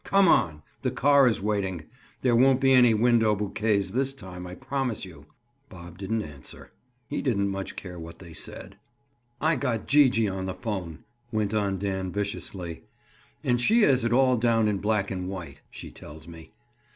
Come on. The car is waiting. There won't be any window bouquets this time, I promise you." Bob didn't answer. He didn't much care what they said. "I got Gee gee on the phone," went on Dan viciously, "and she has it all down in black and white, she tells me.